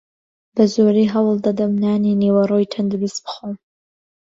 بەزۆری هەوڵدەدەم نانی نیوەڕۆی تەندروست بخۆم.